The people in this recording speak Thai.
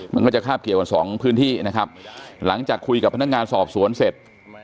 มันก็จะคาบเกี่ยวกันสองพื้นที่นะครับหลังจากคุยกับพนักงานสอบสวนเสร็จ